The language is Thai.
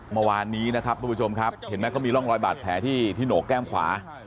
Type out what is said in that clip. เมื่อวานนี้นะครับทุกผู้ชมครับเห็นไหมเขามีร่องรอยบาดแผลที่โหนกแก้มขวา